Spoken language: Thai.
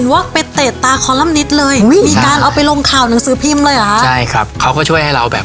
แล้วก็มีอีก๒รสชาติใหม่ครับ